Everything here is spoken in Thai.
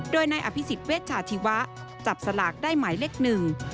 โดยในอภิษฐ์เวชชาธิวะจับสลากได้หมายเลขนึง